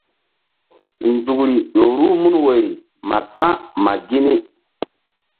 Nzukri ƴo ruh mun woyri ma sa̧ ma gini.